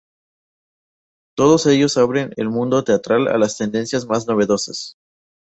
Todos ellos abren el mundo teatral a las tendencias más novedosas.